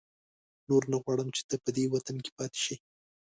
نور نه غواړم چې ته په دې وطن کې پاتې شې.